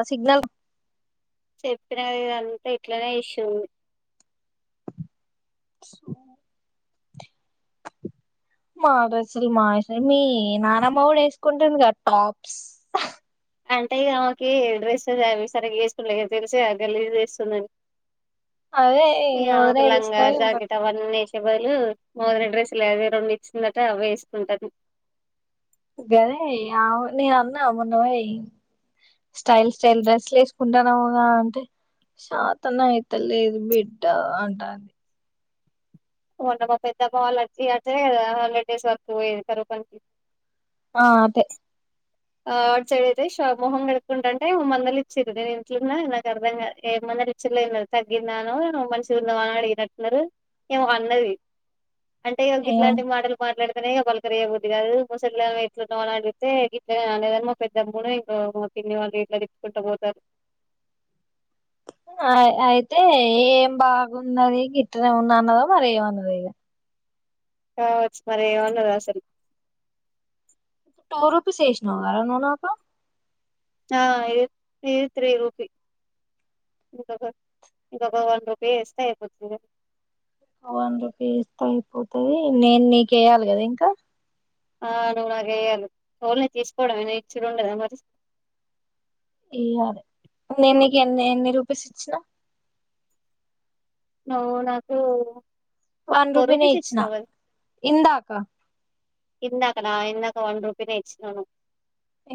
ఆ సిగ్నల్ చెప్పిన కదా ఇదంతా ఇట్లనే ఇష్యూ సో మా డ్రెస్సులు మాశినయ్ మీ నానమ్మ గుడా ఎస్కుంటుంది కదా టాప్స్ అంటే ఇగ ఆమెకి ఏ డడ్రెస్సెస్ అవి సరిగా ఎస్కుంట లేద్ గా తెలిసేగా గలీజ్ చేస్తుందని అదే ఓదినయ్ తీస్కపోయి ఎవలు మొన్న డ్రెస్లు అవే రెండు ఇచ్చిందట అవే ఎస్కుంటాంది. గదే ఆ నేనన్నా మొన్న పోయి స్టైల్ స్టైల్ డ్రెస్సులేస్కుంటానవుగా అంటే చాతనయిత లేదు బిడ్డా అంటాంది. మొన్న మా పెద్దమ్మ హండ్రెడ్ డేస్ వర్క్ పోయేది కరువు పనికి ఆ అదే ఆ అట్ సైడ్ అయితేష మొహం కడుక్కుంటంటే ఓ మందలిచ్చిర్రు నేను ఇంట్లోన్నా నాకు అర్ధంగా ఏ మందలిచ్చిలేంలే తగ్గిదాఅనో మంచిగున్నవాని అడిగినట్టున్నారు ఏమో అన్నది అంటే ఇగ ఏమ గిట్లాంటి మాటలు మాట్లాడ నే పలకరేయ్య బుద్దిగాదు [unintelligible] లేదనలే మా పెద్దమ్మడ్ ఇంకో మా పిన్ని వాళ్ళు ఇట్లా తిట్టుకుంట పోతరు అ అయితే ఏం బాగున్నది గిట్టనే ఉన్న అన్నదో మరి ఏమన్నదో ఇగ కావచ్చు మరి ఏమన్నదో అసలు టు రూపీస్ ఏషినవరా నువ్వు నాకు ఆ ఇ ఇది త్రీ రూపీ ఇంకొక ఇంకొక వన్ రూపీ ఎస్తె అయిపోతదే వన్ రుపీస్ ఎస్తే అయిపోతది నేన్ నీకేయ్యాలికదా ఇంకా ఆ నువ్వు నాకెయ్యాలి ఓన్లీ తీసుకోవడమేనా ఇచ్చుడుండదా మరి ఇయ్యాలే నేన్ నీకు ఎన్ని ఎన్ని రూపీస్ ఇచ్చినా నువ్వు నాకూ వన్ రూపీ నే ఇచ్చిన ఇందాకా ఇందకన ఇందాక వన్ రూపీనే ఇచ్చినాను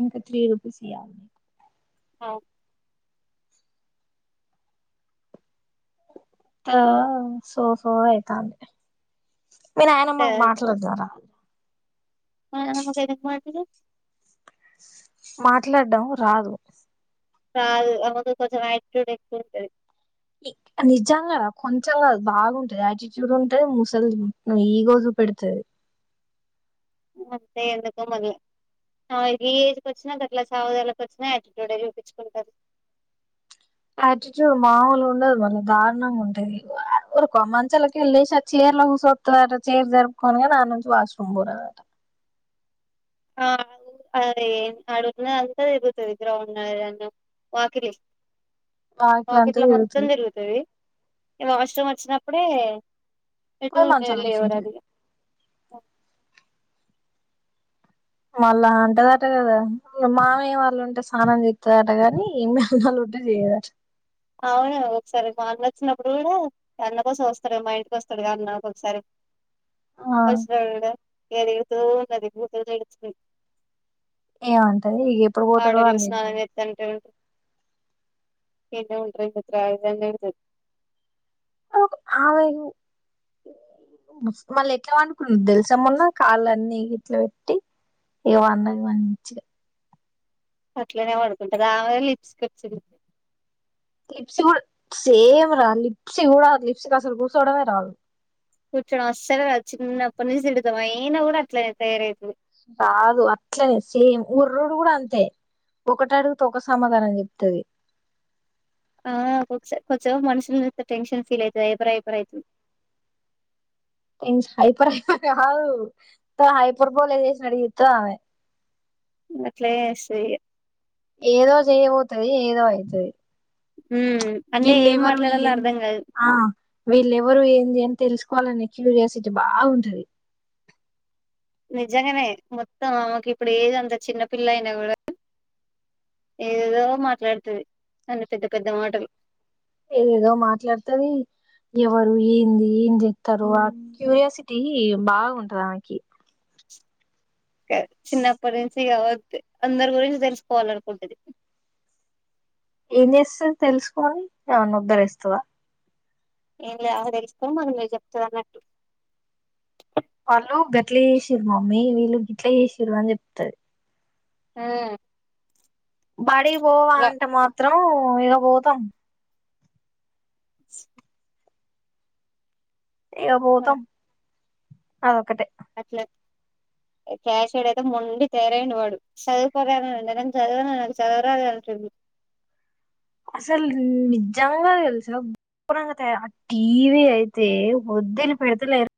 ఇంకా త్రీ రూపీస్ ఇయ్యాలి అ తా సో సో అయితాంది మీ నయానమ్మకు మాట్లాడాదార నాయనమ్మకు ఎందుకు ఫోన్ చేసిరు మాట్లాడం రాదు కాదు ఆమెకు కొంచెం యాటిట్యూడ్ ఎక్కువుంటది నిజంగా రా కొంచెం బాగుంటది యాటిట్యూడ్ ఉంటది ముసలిది ఈగో చూపెడుతది అంతే ఎందుకో మరి ఆమెగి ఏజ్ వచ్చినా గట్లా సావుదలకి వచ్చినా యాటిట్యూడ్ చూపిచుకుంటది ఆయాటిట్యూడ్ మాముూలుగ ఉండదు మళ్ళ దారుణంగా ఉంటది ఓరుకో మంచాలకెళ్లేసి ఆ చైర్ ల కూసోవాత్తదాట చైర్ జరుపుకొని కనీ ఆనుంచి వాష్రూమ్ బోరదాట అ [unintelligible] అంత దిరుగుతది గ్రౌండ్ నన్నం వాకిలి వాకిలాంత వాకిట్లో మొత్తం తిరుగుతది వాష్రూమ్ వచ్చినప్పుడే పోయి ఏటోపే మంచాల కూసుంటది లేవరాదు ఇగా ఓ మళ్ళా అంటదట కదా మామయ వాళ్ళు ఉంటే స్నానం చెస్తదట కానీ ఏ మ నోళ్ళు ఉంటే చేయ్యదట అవును ఒకసారి మా అల్లుడాచ్చినప్పుడు కూడా అన్న కోసం వస్తడు గా మా ఇంటికి వస్తాడుక అన్న ఒకొక సారి ఆ పస్రా రోడ్ అ ఇగా తిడుతూ ఉంటది బూతులు తిడుతు ఏమంటది ఇగ ఎప్పుడు పోతారో అని స్నానం తిడుతది చేత్తంటే ఇన్నే ఉంటారా ఇండ్లకు రాలేదా అని తిడుతది ఆమెకు మస్ మళ్ళ ఎట్లా పండుకున్న తెలుసామొన్న కాళ్ళన్నిీ గిట్లా పెట్టి ఇగ పన్నది మంచిగా అట్లనే పడుకుంటది ఆమెనే లిప్స్కచ్చిళ్ళు లిప్సీ కూడా సేమ్ రా లిప్సీ కూడా లిప్సికి అసలు కూసోడమే రాదు కూర్చోడం అస్సలే రాదు చిన్నప్పునుంచి తిడుతా అయినా కూడా అట్లేనే తయారఇర్రు కాదు అట్లనే సేమ్ ఒర్రుడు కూడా అంతే ఒకటి అడుగుతే ఒక సమాధానం చెప్తది ఆ ఒకొక సా కొంచెం మనుషులను చూత్తే టెన్షన్ ఫీల్ అవుతది ఐపర్ ఐపర్ అయితది హై హ హ హైపర్ బోలా చేసినటు చేస్తది అమె అట్లే చేస్తది ఇక ఏదో చేయబోతుది ఏదో అవుతుది ఉమ్ అంటే ఏం వీళ్ళేవరు మాట్లాడాలో అర్ధం వయ్యంది కాదు ఆ వీళ్ళవరుయంది అ తెలుసుకోవాలనే క్యూరియాసిటీ బాగుంటది నిజంగానే మొత్తం ఆమెకు ఇప్పుడు ఏద అంత చిన్న పిల్ల అయినా కూడా ఏదేధో మాట్లాడుతుంది అన్నీ పెద్ద పెద్ద మాటలు ఏదదో మాట్లాడుతది ఎవరు ఏంది ఏం చెప్తారు ఆ క్యూరియాసిటీ బాగుంటది ఆమెకి చిన్నప్పటి నుంచి గా అందరి గురించి తెలుసుకోవాల అనుకుంటది ఏం చేస్తుందో తెలుసుకొని ఎవరినైనా ఉద్ద్దరిస్తుందా ఏం లే ఆమే తెలుసుకొని మనకు చెప్తాది అన్నట్టు వాళ్ళు గట్ల చేసారు మమ్మీ వీళ్ళు గిట్ల చేసర అని చెప్తది ఆ బడికి పోవా అలా అంటే మాత్రం ఓ ఇకా పోతాది ఏక పోతం అదొక్కటే అట్లా క్యాషయడ్ అయితే మొండి తయారయిండు వాడు చదువుకోరా అంటే నేను చదవను నాకు చదువు రాదు అంటుడు అసలు నిజంగా తెలుసా గోరంగ తయ ఆ టీవీ అయితే వద్దులి పెడతలేరు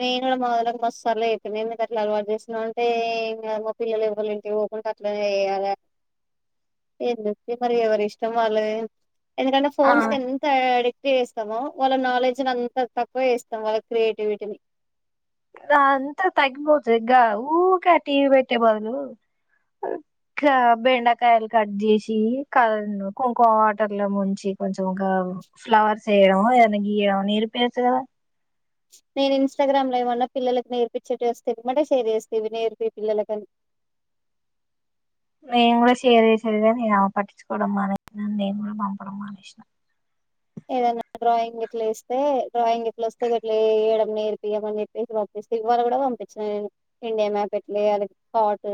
నేను కూడా మాకి మసార్ అయితు నందుకు అట్లా అలవాటు చేసినా అంటేంకా మా పిల్లలు ఎవరి ఇంటి పోవ్వకుండా అట్లనే వయాలి ఎందుే మరి ఎవరి ఇష్టం వాళ్ళది ఎందుకంటే ఆ ఫోన్స్ ఎంత ఆడి చేస్తాము వాళ్ళ నాలెడ్జ్ ని అంతా తక్కువ చేస్తాం వాళ్ళ క్రియేటివిటీని అంతా తగ్గిపోతుంది ఊక టీవీ పెట్టే బదులు బెండకాయలు కట్ చేసి క కొంకో వాటర్ లో ముంచి కొంచెం ఇంకా ఫ్లవర్స్ వేయడం ఏదనా గీయడం నేర్పియచు కదా నేను ఇన్స్టాగ్రామ్ లో ఏమన్నా పిల్లలలకు నేర్పచ్చేట్ వస్తేమాటే షేర్ చేస్తేవి నేర్పి పిల్లలకని నేను కూడా చేరే సరిగా నేను పట్టించుకోవడం మానేసాను నేను కూడా పంపడం మానేసినా ఏదన్నా డ్రాయింగ్ ఎట్లా ఇస్తే డ్రాయింగ్ ఎట్లా వస్తే వేయడం నేర్పియమని చెప్పేసి పంపిస్తే ఇవాళ కూడా పంపించిన నేను ఇండియా మ్యాప్ ఎట్ల వేయాలి కాట్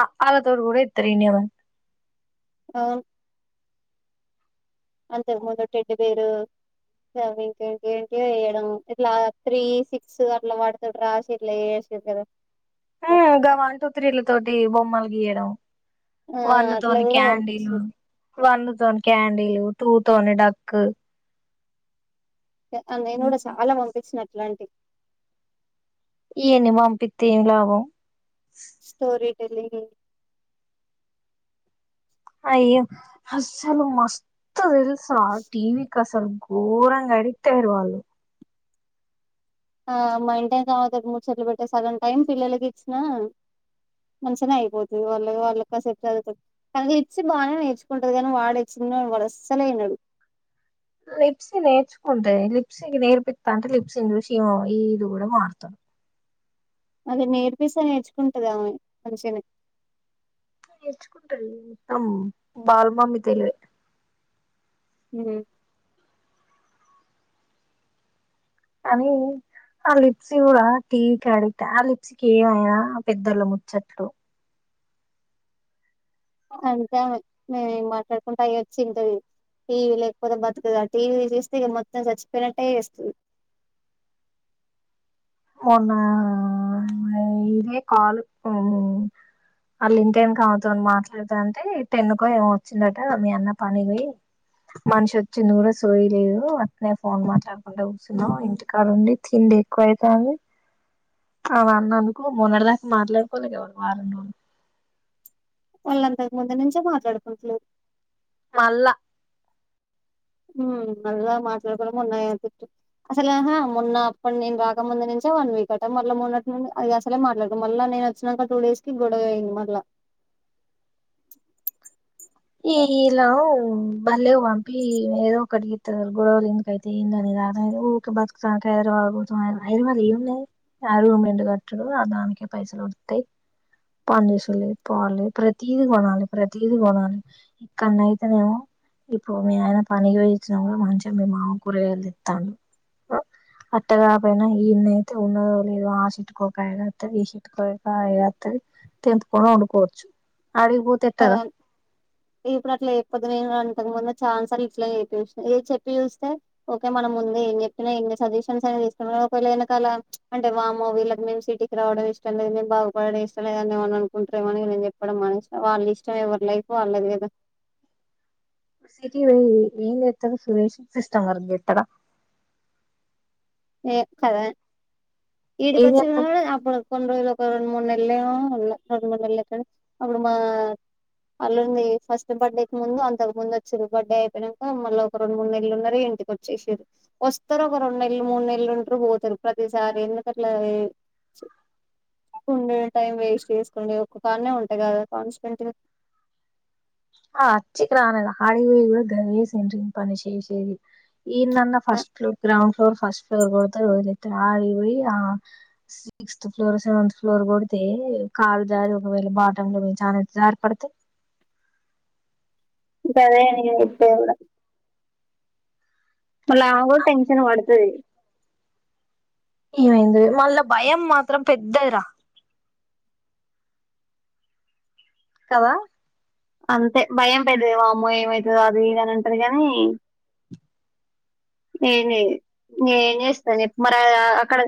ఆ ఆ ల తోడు కూడా అయితలేదు అవును అంతకు ముందు టెడి పేరు ఇంకేంటి వేయడం ఇట్లా త్రీ సిక్స్ అట్లా వాడతాడు రాసి ఇట్లా వేసిరు కదా హ గ వన్ టూ త్రీలు తోటి బొమ్మల్ గీయడం ఆ వాళ్ళు అట్లా తని కూడా క్యాడిల్ పంపించిన వాళ్ళు తన క్యాడిల్ టూ తోనే డకు నేను కూడా చాలా పంపించిన ఇట్లాంటి ఈని పంపితే ఏమీ లాభం స్టోరీ తెలిదు అయ్యో అస్సలు మస్త స టీవి కస అసలు గోరంగా ఎడిక్ట్ అయ్యారు వాళ్ళు ఆ మై టైం కాతడు మూడు చెట్లు పెట్టే సగం టైం పిల్లలకి ఇచ్చినా మంచిగానే అయిపోతుది వాళ్ళ వాళ్ళకిసెట్ చదువుతుంది కానీ ఇచ్చి బాగానే నేర్చుకుంటది కానీ వాడె చిన్నోడు అస్సలే వినడు లిప్స్ నేర్చుకుంటయి లిప్స్ నేర్పిస్తా అంటే లిప్స్ ఇందుషమ ఇ ఇది కూడా మారుతది అద నేర్పిస్తా నేర్చుకుంటది ఆమె మంచిగనే నేర్చుకుంటా మొత్తం బాలమమి తెలివే హ కానీ ఆ లిప్సీ కూడా టీ క అడిక్ట ఆ లిప్సీకి ఏమయినా పెద్దళ్ళ ముచ్చట్లు అంతే ఆమె మేము మాట్లాడుకుంటా అ వచ్చి ఇంట టీవీ లేకపోతే బతుకదుా టీవీ చేస్తే ఇక మొత్తం చచ్చిపోయినట్టే చేస్తది. మన్న ఇదే కాల్ వాళ్ళ ఇంటేం కావదు అని మాట్లాడతా అంటే టెన్నుకో ఏమ వచ్చిందట మీ అన్న పని పో మనిషి వచ్చింది కూడా సోయలేదు అట్నే ఫోన్ మాట్లాడుకుంటడా కూర్చున్నాం ఇంటికాడండి తిండి ఎక్కువై కా అ నన్ను అనుకో మొన్నటి దాకా మాట్లాడుకోవలే ఎవరు వారం రోజు వాళ్ళంతకు ముందు నుంచే మాట్లాడుకుంటలేరు మళ్ళ ఉమ్ మళ్ళా మాట్లాడుకోవడం ఉన్నాయిటు అసలే మొన్న అప్పడు నేను రాకముంది నుంచే వన్ వీక్ అట్ట మళ్ళా మొన్నట్ నుండి అది అసలే మాట్లాడుకోం మళ్ళా నేను వచ్చినాక టూ డేస్ కి గొడవ అయింది మళ్ళా ఈ ఇలా బల్లేె పంపి ఏదో ఒకటికి గొడవలు ఎందుకైతే ఏందని రా ఊరికి బతుకుతానికి ఐదవా ఐదవాలు ఏ ఉన్నాయి ఆ రూమ్ ఎండు కట్టడు ఆ దానికే పైసలు వడతాయి పని చేసులే పోలే ప్రతీది కొనాలి ప్రతీది కొనాలి ఇక్కడన అయితే నేము ఇప్పుడు మీ ఆయన పనికి వయిచ్చినా కూడా మంచిగా మీ మామ కూర వెదిస్తాను అట్టగా పయినా ఈన్న అయితే ఉన్నదో లేదో ఆ చెట్టుకో ఒక అగస్తది ఈ చెట్టుకో అగస్తది తెంపుకని వండుకోవచ్చు అడిగి పోతే ఎటార కదా ఇప్పుడు అట్లా చెయిపోతుద్దు నేను అంతకు ముందు ఛాన్స్ ఇట్లా చె చూ ఏ చెప్పి చూస్తే ఓకే మనం ముందు ఏం చెప్పినా ఎన్ని సజెషన్స్ అ ఒకవేళ వెనకాల అంటే వాముమో వీళ్ళకి మేము సిటీకి రావడం ఇష్టం లేదు మేము బాగుపడడం ఇష్టం లేదని ఏమని అనుకుంటారేమో అని న చెప్పడం మనే వాళ్ళ ఇష్టం ఎవరి లైఫ్ వాళ్ళది కదా సిటీ వై ఏం ఎస్త సుల్యూషన్ సిస్టమ్ వర్క్ చేస్తడ ఏక్కదే ఇడికి ఏం వచ్చి నో చేత్తడు డ్ మ అ కొన్ని రోజులు ఒక రెండు మూడు నెళ్లే మో ఉన్నారు రెండు మూడు నెలక్క అప్పుడు మా అల్లంది ఫస్ట్ బర్త్డే క ముందు అంతకు ముందు వచ్చారు బర్త్డే అయిపోయినాక మళ్ళీ ఒక రెండు మూడు నెలలు ఉన్నారు ఇంటికి వచ్చేసారు వస్తారు ఒక రెండు నెలలు మూడు నెలలు ఉంటారు పోతారు ప్రతిసారి ఎందుకు అట్ల ఉమ్ టైం వేస్ట్ చేసుకుే ఒ కానే ఉంటాయి కదా కాన్స్ ఆ అచ్చికలన ఆడపోయ కూడా కూడా దేయే సంట పను శే సే ఈన్నన్న ఫస్ట్ లొ గౌడ్ ఫ్లోర్ ఫస్ట్ ఫ్లోర్ కొడత రోజులయితే ఆడిపోయి ఆ సిక్స్త్ ఫ్లోర్ సెవెంత్ ఫ్లోర్ కొడితే కాలు జారి ఒకవేళ బాటమ్ లో మీ చాన జారి పడితే ఇకాదే ఎతే మళ్ళ అమెకూడా టెన్షన్ పడుతది ఏమైంది మళ్ళ భయం మాత్రం పెద్దదిరా కవ అంతే భయం పెద్దది మా వామ్మో ఏమవుతుందో అది ఇదని అంటారు నీ న నేను చేస్తాను మరి అక్కడ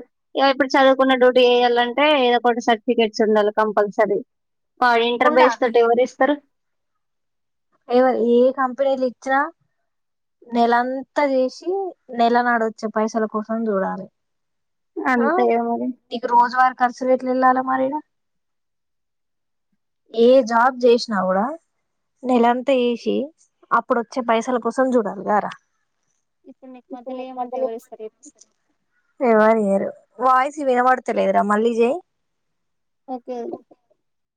ఇప్పుడు చదువుకున్న డ్యూటీ చేయాలంటే ఏదో ఒక సర్టిఫికెట్స్ ఉండాలి కంపల్సరీ ఆ ఇంటర్ బెస్ట్ ఉండాలి ట ఎవరు ఇస్తరు ఏవ ఏ కంపెనీలు ఇచ్చినా నెలంతా చేసి నెల నాడొచ్చే పైసల కోసం చూడాలి హ అంతే ఇగ మరి ఇక రోజువార కర్చులు వట్లే అలా మరి ఎలా ఏ జాబ్ చేసిన కూడా నెలంతా చేసి అపుడు వచ్చే పైసల కోసం జూడాలి కార ఇప్పుడు నీకు మధ్యలో ఏమంటే ఎవరిస్తారు చెప్పు ఎవారియరు వయస్ వినపడతలేదరా మల్లిజెయ్ ఓకేండి